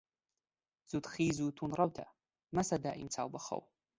زوودخیز و توند ڕەوتە، مەستە دائیم چاو بە خەو